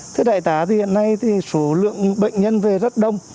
thưa đại tà hiện nay số lượng bệnh nhân về rất đông